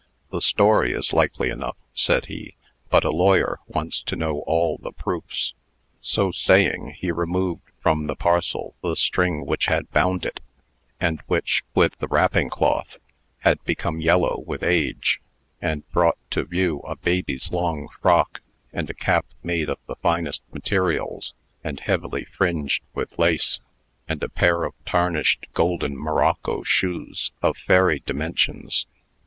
"The story is likely enough," said he, "but a lawyer wants to know all the proofs." So saying, he removed from the parcel the string which bound it, and which, with the wrapping cloth, had become yellow with age, and brought to view a baby's long frock, and a cap made of the finest materials, and heavily fringed with lace, and a pair of tarnished golden morocco shoes of fairy dimensions.